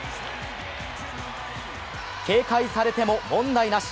警戒されても問題なし。